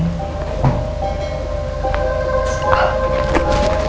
tidak ada yang bisa diberikan